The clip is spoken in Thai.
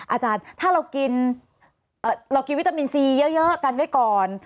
อาจารย์ถ้าเรากินเรากินวิตามินซีเยอะกันไว้ก่อน